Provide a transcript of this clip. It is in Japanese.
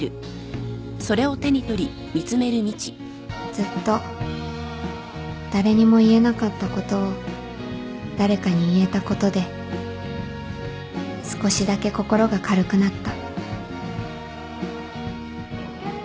ずっと誰にも言えなかったことを誰かに言えたことで少しだけ心が軽くなった